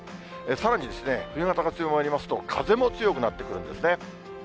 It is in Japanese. さらにですね、冬型が強まりますと、風も強くなってくるんですね。